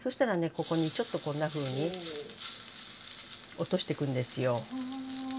ここにちょっとこんなふうに落としてくんですよ。